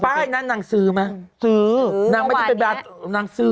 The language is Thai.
ป้ายนั้นนางซื้อไหมซื้อนางไม่ได้เป็นแบบนางซื้อ